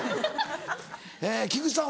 菊池さん